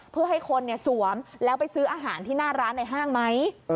เพื่อให้คนสวมแล้วไปซื้ออาหารที่หน้าร้านในห้างไหม